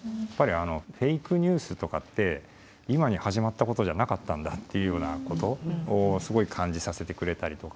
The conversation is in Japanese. フェイクニュースとかって今に始まったことじゃなかったんだっていうようなことをすごい感じさせてくれたりとか。